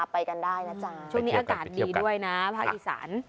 ไปกันได้นะจ๊ะช่วงนี้อากาศดีด้วยนะภาคอีสาน